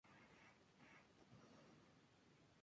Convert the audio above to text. Zapata seguirá sus pasos hasta ser asesinado en una emboscada.